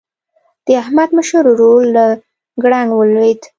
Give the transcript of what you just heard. د احمد مشر ورور له ګړنګ ولوېد.